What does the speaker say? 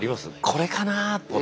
これかなって。